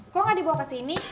kok gak dibawa kesini